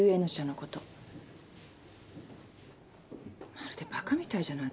まるでバカみたいじゃない。